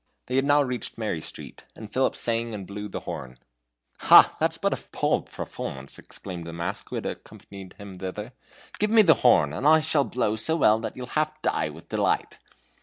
They had now reached Mary Street, and Philip sang and blew the horn. "Ha! that's but a poor performance," exclaimed the mask, who had accompanied him thither. "Give me the horn! I shall blow so well that you'll half die with delight."